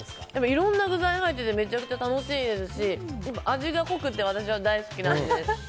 いろんな具材が入っていてめちゃくちゃ楽しいですし味が濃くて私は大好きな味です。